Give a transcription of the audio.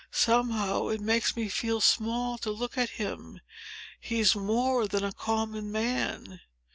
Somehow, it makes me feel small to look at him. He's more than a common man."